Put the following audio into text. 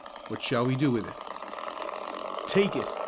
"What shall we do with it?" "Take it!"